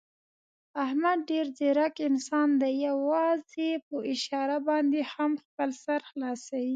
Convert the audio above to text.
احمد ډېر ځیرک انسان دی، یووازې په اشاره باندې هم خپل سر خلاصوي.